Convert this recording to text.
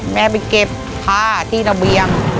แม่ไปเก็บผ้าที่ระเบียง